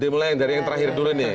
dimulai dari yang terakhir dulu nih